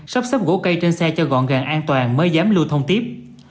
sắp xếp gỗ cây trên xe cho gọn gàng an toàn mới dám lưu thông tiếp